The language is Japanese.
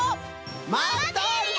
まっとるよ！